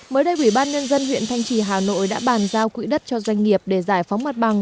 mới đây ủy ban nhân dân huyện thanh trì hà nội đã bàn giao quỹ đất cho doanh nghiệp để giải phóng mặt bằng